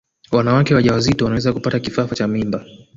wanawake wajawazito wanaweza kupata kifafa cha mimba